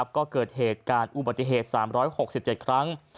ก็เกิดเหตุการณ์อุบัติเหตุ๓๖๗ครั้ง